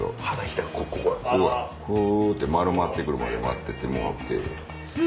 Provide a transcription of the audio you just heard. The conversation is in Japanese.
ここがクルって丸まって来るまで待っててもらって。